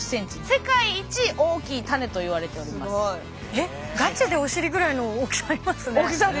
えっガチでお尻ぐらいの大きさありますね。